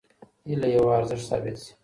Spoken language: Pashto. هيله يوه: ارزښت ثابت شي.